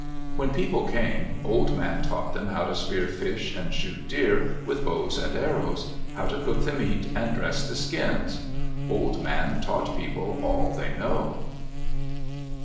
When people came, Old Man taught them how to spear fish and shoot deer with bows and arrows, how to cook the meat and dress the skins. Old Man taught people all they know.